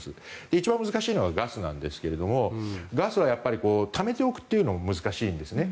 一番難しいのはガスなんですがガスはやっぱりためておくというのも難しいんですね。